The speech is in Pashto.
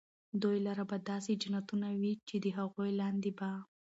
دوى لره به داسي جنتونه وي چي د هغو لاندي به